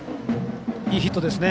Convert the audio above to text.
いいヒットですね。